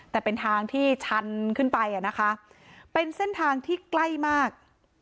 แต่เป็นทางที่ชันขึ้นไปอ่ะนะคะเป็นเส้นทางที่ใกล้มาก